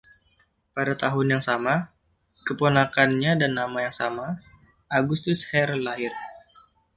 Pada tahun yang sama, keponakannya dan nama yang sama, Augustus Hare, lahir.